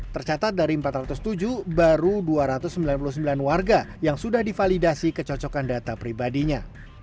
tercatat dari empat ratus tujuh baru dua ratus sembilan puluh sembilan warga yang sudah divalidasi kecocokan data pribadinya